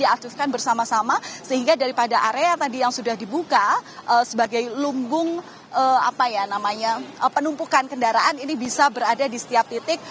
dan ini juga bisa dikatakan bersama sama sehingga daripada area tadi yang sudah dibuka sebagai lunggung penumpukan kendaraan ini bisa berada di setiap titik